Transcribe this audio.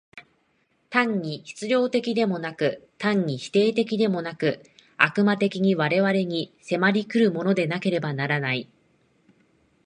単に質料的でもなく、単に否定的でもなく、悪魔的に我々に迫り来るものでなければならない。